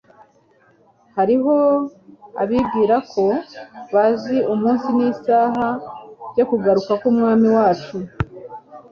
Hariho abibwira ko bazi umunsi n'isaha byo kugaruka k'Umwami wacu.